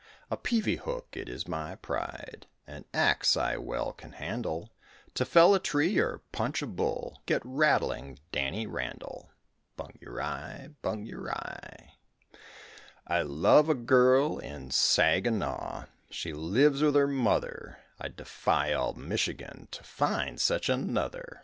A peavy hook it is my pride, An ax I well can handle; To fell a tree or punch a bull Get rattling Danny Randall. Bung yer eye: bung yer eye. I love a girl in Saginaw; She lives with her mother; I defy all Michigan To find such another.